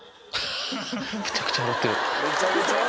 めちゃくちゃ笑ってる。